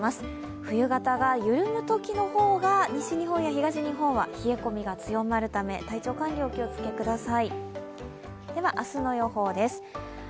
冬型が緩むときの方が西日本や東日本は冷え込みが強まるため、体調管理、お気を付けください。